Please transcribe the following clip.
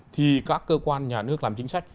thì các cơ quan nhà nước làm chính sách